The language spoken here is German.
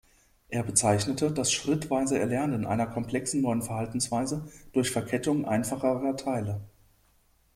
Er bezeichnet das schrittweise Erlernen einer komplexen neuen Verhaltensweise durch Verkettung einfacherer Teile.